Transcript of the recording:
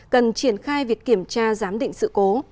cần triển khai việc kiểm tra giám định sự cố